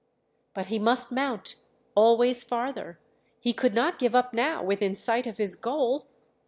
But he must mount, always farther; he could not give up now within sight of his goal!